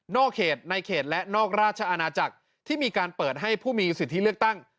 เขตในเขตและนอกราชอาณาจักรที่มีการเปิดให้ผู้มีสิทธิเลือกตั้ง